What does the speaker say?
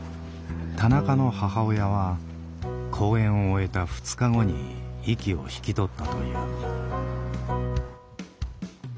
田中の母親は公演を終えた２日後に息を引き取ったという。